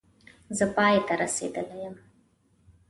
زه پای ته رسېدلی یم